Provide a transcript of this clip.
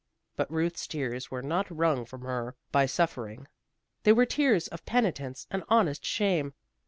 But Ruth's tears were not wrung from her by suffering. They were tears of penitence and honest shame.